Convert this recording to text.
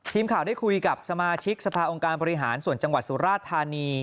ทีมข่าวได้คุยกับสมาชิกสภาองค์การบริหารส่วนจังหวัดสุราธานี